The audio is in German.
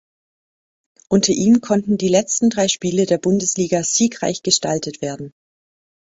Unter ihm konnten die letzten drei Spiele der Bundesliga siegreich gestaltet werden.